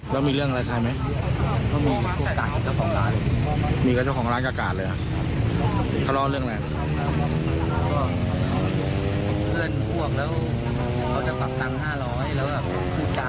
ผู้ตายไม่ดีแต่ผู้หญิงอะไรอย่างนี้เราก็เลยบอกว่า